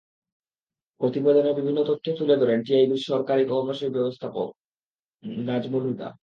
প্রতিবেদনের বিভিন্ন তথ্য তুলে ধরেন টিআইবির সহকারী কর্মসূচি ব্যবস্থাপক নাজমুল হুদা।